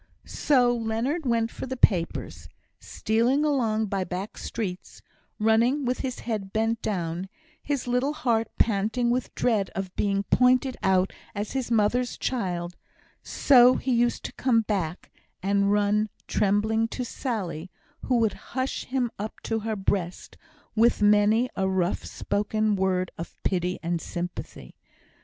So Leonard went for the papers. Stealing along by back streets running with his head bent down his little heart panting with dread of being pointed out as his mother's child so he used to come back, and run trembling to Sally, who would hush him up to her breast with many a rough spoken word of pity and sympathy.